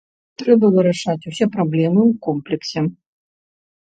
Трэба вырашаць усе праблемы ў комплексе.